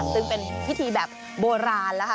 ซึ่งเป็นพิธีแบบโบราณแล้วค่ะ